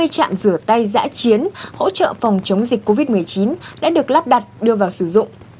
hai mươi trạm rửa tay giã chiến hỗ trợ phòng chống dịch covid một mươi chín đã được lắp đặt đưa vào sử dụng